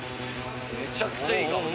めちゃくちゃいい香り。